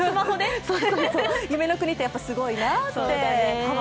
夢の国ってやっぱりすごいなって。